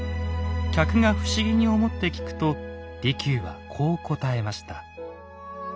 客が不思議に思って聞くと利休はこう答えました。